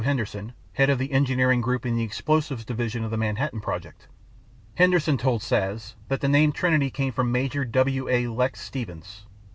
Henderson head of the Engineering Group in the Explosives Division of the Manhattan Project. Henderson told Szasz that the name Trinity came from Major W. A. (Lex) Stevens.